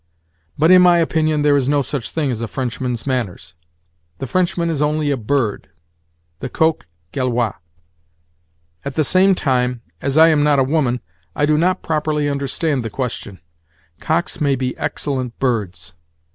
But in my opinion there is no such thing as a Frenchman's manners. The Frenchman is only a bird—the coq gaulois. At the same time, as I am not a woman, I do not properly understand the question. Cocks may be excellent birds.